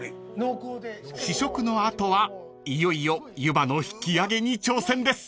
［試食の後はいよいよゆばの引き上げに挑戦です］